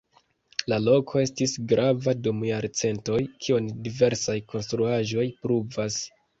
La loko estis grava dum jarcentoj, kion diversaj konstruaĵoj pruvas.